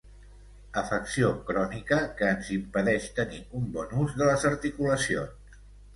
Afecció crònica que ens impedeix tenir un bon ús de les articulacions.